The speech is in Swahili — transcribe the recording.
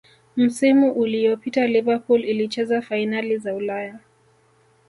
msimu uliyopita liverpool ilicheza fainali za ulaya